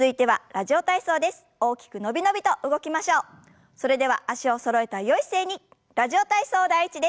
「ラジオ体操第１」です。